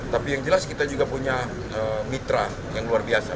tapi yang jelas kita juga punya mitra yang luar biasa